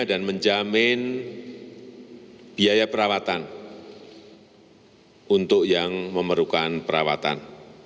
dan menjamin biaya perawatan untuk yang memerlukan perawatan